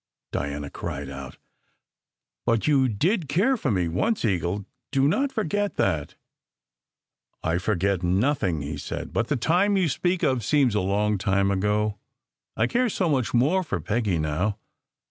Diana cried out. "But you did care for me once, Eagle. Do not forget that !" "I forget nothing," he said. "But the time you speak of seems a long time ago, I care so much more for Peggy now.